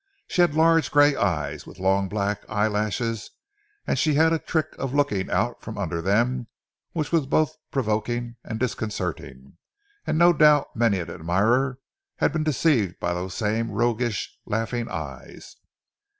She had large gray eyes, with long black eyelashes, and she had a trick of looking out from under them which was both provoking and disconcerting, and no doubt many an admirer had been deceived by those same roguish, laughing eyes.